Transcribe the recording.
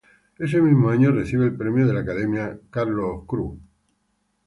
Ese mismo año, recibe el premio de la "Academia Charles-Cros".